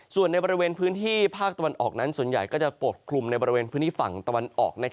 ส่วนในบริเวณพื้นที่ภาคตะวันออกนั้นส่วนใหญ่ก็จะปกคลุมในบริเวณพื้นที่ฝั่งตะวันออก